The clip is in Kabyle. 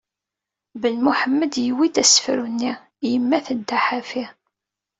Ben Muḥemmed, yewwi-d asefru-nni "Yemma tedda ḥafi".